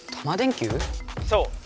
そう。